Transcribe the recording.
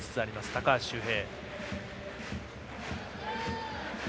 高橋周平。